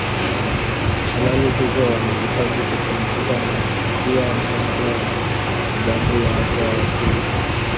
halali hivyo wanahitaji kupumzika na pia msaada wa matibabu ya afya ya akili